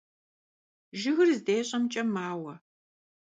Jjıgır zdêş'emç'e maue.